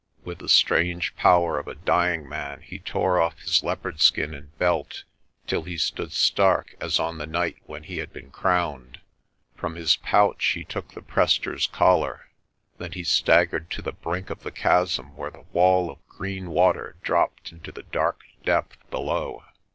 With the strange power of a dying man he tore off his leopard skin and belt till he stood stark as on the night when he had been crowned. From his pouch he took the Prester's Collar. Then he staggered to the brink of the chasm where the wall of green water dropped into the dark depth below.